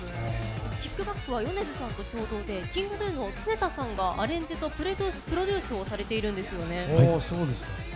「ＫＩＣＫＢＡＣＫ」は米津さんと共同でＫｉｎｇＧｎｕの常田さんがアレンジとプロデュースをされているんですよね。